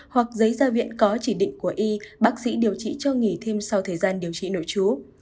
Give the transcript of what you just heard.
hoặc giấy ra viện có chỉ định của y bác sĩ điều trị cho nghỉ thêm sau thời gian điều trị nội trú